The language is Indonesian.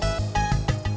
ya ada tiga orang